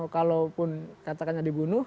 kalaupun katakannya dibunuh